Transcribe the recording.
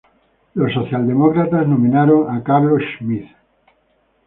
Los social-demócratas nominaron a Carlo Schmid.